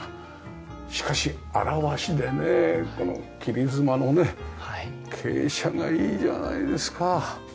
しかし現しでねこの切り妻のね傾斜がいいじゃないですか。